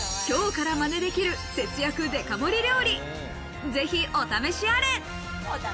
今日からマネできる節約デカ盛り料理、ぜひお試しあれ。